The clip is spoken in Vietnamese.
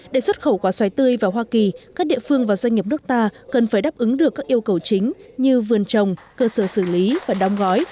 để xuất khẩu quả xoài tươi vào hoa kỳ các địa phương và doanh nghiệp nước ta cần phải đáp ứng được các yêu cầu chính như vườn trồng cơ sở xử lý và đóng gói